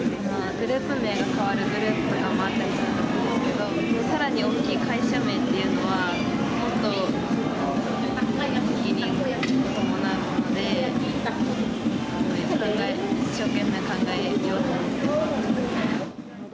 グループ名変わるグループとかもあったりするんですけど、さらに大きい会社名っていうのは、もっと責任が伴うので、一生懸命考えようと思ってます。